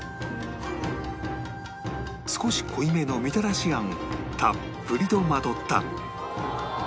少し濃いめのみたらし餡をたっぷりとまとった